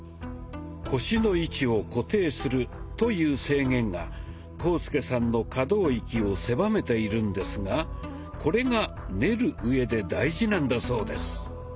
腰の位置を固定するという制限が浩介さんの可動域を狭めているんですがこれが「練る」うえで大事なんだそうです。